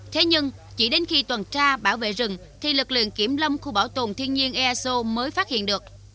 thế nhưng chỉ đến khi tuần tra bảo vệ rừng thì lực lượng kiểm lâm khu bảo tồn thiên nhiên ea sô mới phát hiện được